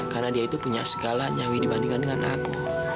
karena dia itu punya segalanya wi dibandingkan dengan aku